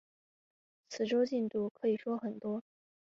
这周进度可以说很多